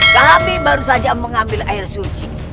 kami baru saja mengambil air suci